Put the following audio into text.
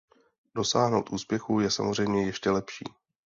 Dosáhnout úspěchu je samozřejmě ještě lepší.